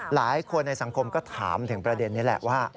หลายคนในสังคมก็ถามถึงประเด็นนี้แหละว่า